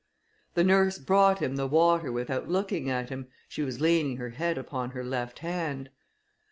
The nurse brought him the water without looking at him, she was leaning her head upon her left hand.